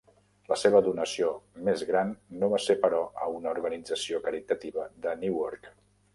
La seva donació més gran no va ser però a una organització caritativa de Newark.